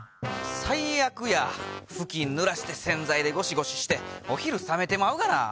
最悪やふきんぬらして洗剤でゴシゴシしてお昼冷めてまうがな。